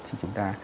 thì chúng ta